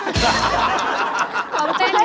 ทำวันเจนี่หรือ